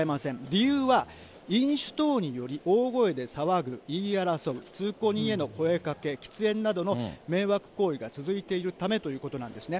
理由は飲酒等により大声で騒ぐ、言い争う、通行人への声かけ、喫煙などの迷惑行為が続いているためということなんですね。